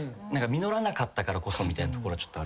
実らなかったからこそみたいなところはあるかも。